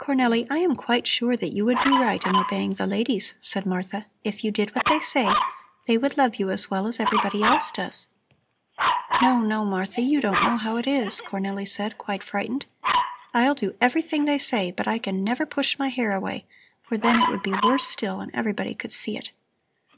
"Cornelli, I am quite sure that you would do right in obeying the ladies," said Martha. "If you did what they say, they would love you as well as everybody else does." "No, no, Martha, you don't know how it is," Cornelli said, quite frightened. "I'll do everything they say, but I can never push my hair away, for then it would be worse still and everybody could see it."